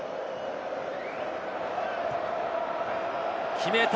決めた！